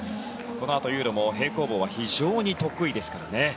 このあとユーロも平行棒は非常に得意ですからね。